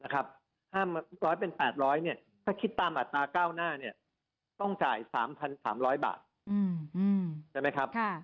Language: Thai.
ถ้าคิดตามอัตราเก้าหน้าต้องจ่าย๓๓๐๐บาท